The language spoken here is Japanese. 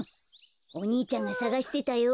お兄ちゃんがさがしてたよ。